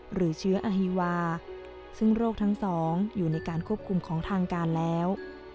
หรือเชื้ออฮีวาซึ่งโรคทั้งสองอยู่ในการควบคุมของทางการแล้ว